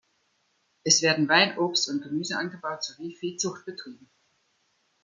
Es werden Wein, Obst und Gemüse angebaut sowie Viehzucht betrieben.